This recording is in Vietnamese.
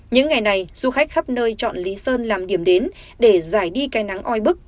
những ngày này du khách khắp nơi chọn lý sơn làm điểm đến để giải đi cây nắng oi bức